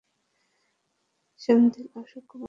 সেন্থিল, অশোক কুমারকে খুঁজে বের কর।